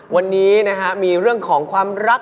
วันนี้นะฮะมีเรื่องของความรัก